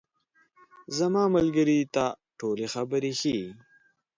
زما ملګري ته ټولې خبرې ښیې.